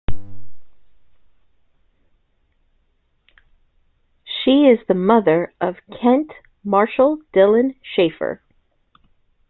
She is the mother of Kent Marshall Dylan Schaffer.